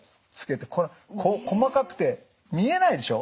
細かくて見えないでしょ？